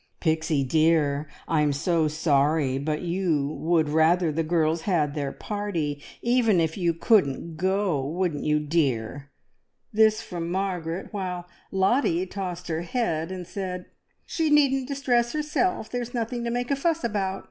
"Pixie dear, I'm so sorry, but you would rather the girls had their party even if you couldn't go, wouldn't you, dear?" this from Margaret, while Lottie tossed her head and said "She needn't distress herself! There is nothing to make a fuss about.